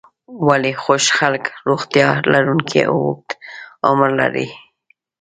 ولې خوښ خلک روغتیا لرونکی او اوږد عمر لري.